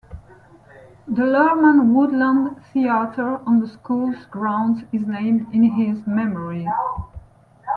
The Lurman Woodland Theater on the school's grounds is named in his memory.